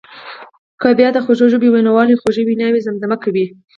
کله بیا د خوږ ژبو ویناوالو خوږې ویناوي زمزمه کوي.